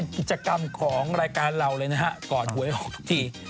กิจกรรมของรายการเราเลยนะฮะก่อนหวยออกทุกที